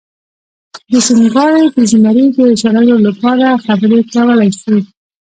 د سیند غاړې د زمري د شړلو لپاره خبرې کولی شي.